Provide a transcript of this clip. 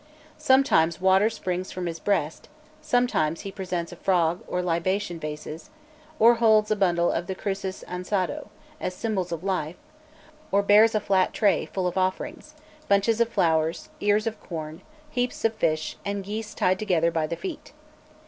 Sometimes water springs from his breast; sometimes he presents a frog, or libation vases; or holds a bundle of the cruces ansato, as symbols of life; or bears a flat tray, full of offerings bunches of flowers, ears of corn, heaps of fish, and geese tied together by the feet.